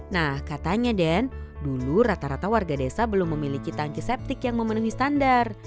nah katanya den dulu rata rata warga desa belum memiliki tangki septik yang memenuhi standar